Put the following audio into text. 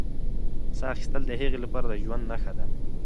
ساه اخیستل د هغې لپاره د ژوند نښه وه.